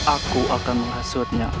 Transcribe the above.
aku akan menghasutnya